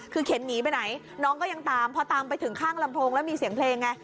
คือเข็นหนีไปไหนน้องก็ยังตามพอตามไปถึงข้างลำโพงแล้วมีเสียงเพลงไง